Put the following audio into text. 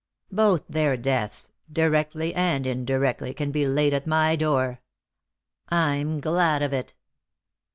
Both their deaths, directly and indirectly, can be laid at my door. I'm glad of it."